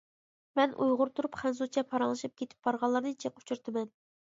مەن ئۇيغۇر تۇرۇپ خەنزۇچە پاراڭلىشىپ كېتىپ بارغانلارنى جىق ئۇچۇرتىمەن.